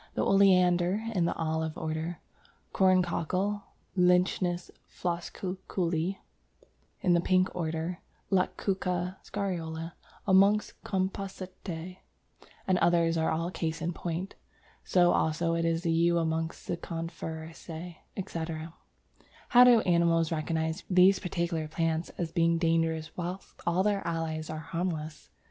The Oleander, in the Olive order, Corncockle (Lychnis floscuculli), in the Pink order, Lactuca Scariola amongst Compositæ and others are all cases in point. So also is the Yew amongst Coniferæ, etc. How do animals recognize these particular plants as being dangerous whilst all their allies are harmless?